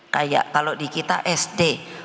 kayak kalau di kita sd